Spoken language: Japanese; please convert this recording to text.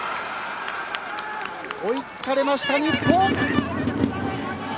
追いつかれました日本。